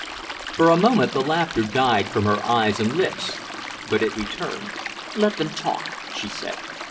For a moment the laughter died from her eyes and lips, but it returned. "Let them talk," she said.